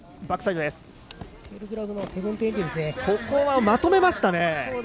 ここはまとめましたね。